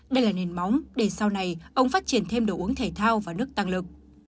đây là nền móng để sau này ông phát triển thêm đồ uống thể thao và nước tăng lực